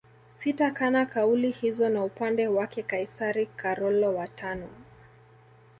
Sitakana kauli hizo na Upande wake Kaisari Karolo wa tano